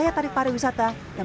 bagaimana menurut anda